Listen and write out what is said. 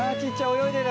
泳いでる！